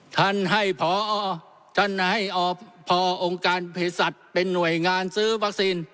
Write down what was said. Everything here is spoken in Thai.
ท่านให้พอท่านให้พอองค์การเพศสัตว์เป็นหน่วยงานซื้อวัคซีน